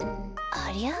ありゃ？